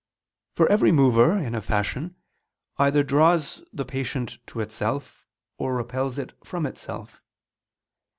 For every mover, in a fashion, either draws the patient to itself, or repels it from itself.